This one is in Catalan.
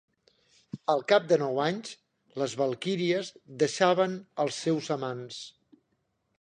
Al cap de nou anys, les valquíries deixaven els seus amants.